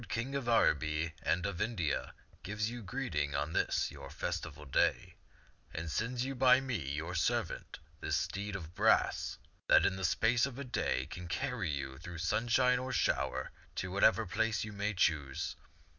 King of Araby and of India, gives you greeting on this your festival day ; and sends you by me, your servant, this steed of brass that in the space of a day can carry you through sunshine or shower to whatever place you may choose.